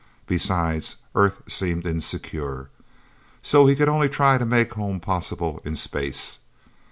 Besides, Earth seemed insecure. So he could only try to make home possible in space.